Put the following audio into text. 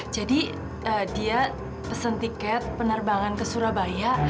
jadi dia pesen tiket penerbangan ke surabaya